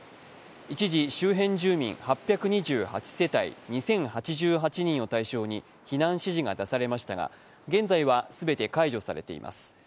一時、周辺住民８２８世帯２０８８人を対象に避難指示が出されましたが現在は全て解除されています。